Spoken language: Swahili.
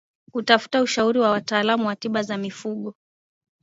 Kutafuta ushauri wa wataalamu wa tiba za mifugo